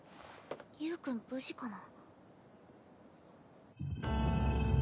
ゆーくん無事かな。